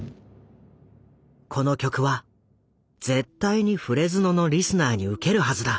この曲は絶対にフレズノのリスナーに受けるはずだ。